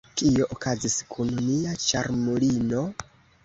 Kio okazis kun nia ĉarmulino?